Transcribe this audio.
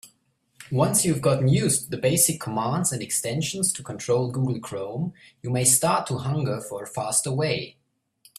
Once you've gotten used to the basic commands and extensions to control Google Chrome, you may start to hunger for a faster way.